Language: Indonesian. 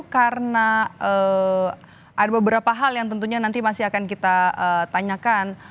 karena ada beberapa hal yang tentunya nanti masih akan kita tanyakan